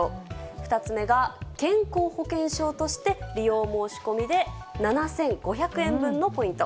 ２つ目が、健康保険証として利用申し込みで７５００円分のポイント。